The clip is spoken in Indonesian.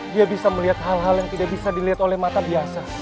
dia bisa melihat hal hal yang tidak bisa dilihat oleh mata biasa